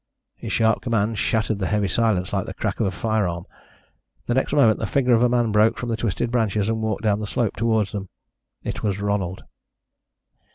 His sharp command shattered the heavy silence like the crack of a firearm. The next moment the figure of a man broke from the twisted branches and walked down the slope towards them. It was Ronald.